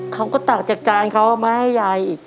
เขาก็ตักจากจานเขาเอามาให้ยายอีก